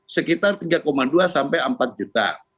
sekitar tiga dua sampai empat juta